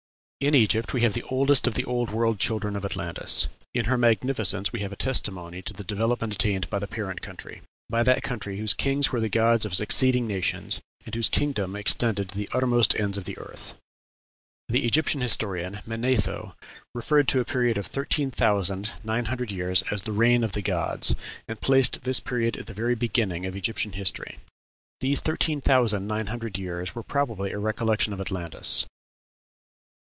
In Egypt we have the oldest of the Old World children of Atlantis; in her magnificence we have a testimony to the development attained by the parent country; by that country whose kings were the gods of succeeding nations, and whose kingdom extended to the uttermost ends of the earth. The Egyptian historian, Manetho, referred to a period of thirteen thousand nine hundred years as "the reign of the gods," and placed this period at the very beginning of Egyptian history. These thirteen thousand nine hundred years were probably a recollection of Atlantis.